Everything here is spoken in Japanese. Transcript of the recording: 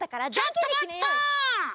ちょっとまった！